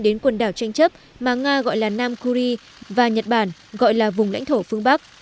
đến quần đảo tranh chấp mà nga gọi là nam kuri và nhật bản gọi là vùng lãnh thổ phương bắc